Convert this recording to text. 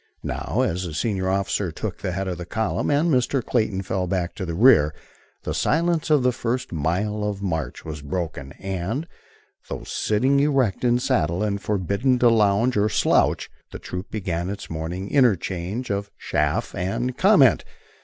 Now, as the senior officer took the head of column and Mr. Clayton fell back to the rear, the silence of the first mile of march was broken and, though sitting erect in saddle and forbidden to lounge or "slouch," the troop began its morning interchange of chaff and comment.